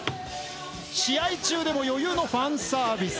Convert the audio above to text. ・試合中でも余裕のファンサービス。